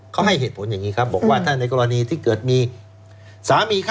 เขาให้เหตุผลอย่างนี้ครับบอกว่าถ้าในกรณีที่เกิดมีสามีเขา